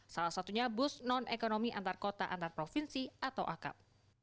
salah satunya bus non ekonomi antar kota antar provinsi atau akap